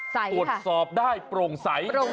ตรวจสอบได้โปร่งใส